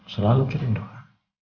selalu kirim doa